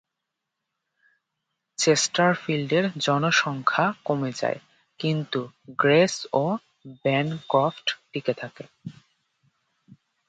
চেস্টারফিল্ডের জনসংখ্যা কমে যায়, কিন্তু গ্রেস ও ব্যানক্রফট টিকে থাকে।